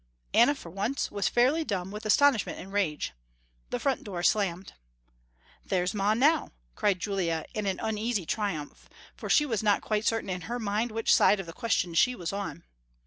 Anna, for once, was fairly dumb with astonishment and rage. The front door slammed. "There's ma now," cried Julia in an uneasy triumph, for she was not quite certain in her mind which side of the question she was on.